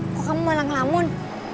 kok kamu malang lamun